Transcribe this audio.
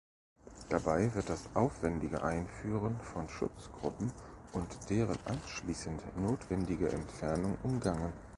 Dabei wird das aufwendige Einführen von Schutzgruppen und deren anschließend notwendige Entfernung umgangen.